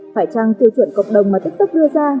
phải chăng tiêu chuẩn cộng đồng mà tiktoker đưa ra